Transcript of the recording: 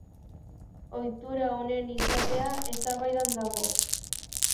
Ohitura honen izatea eztabaidan dago.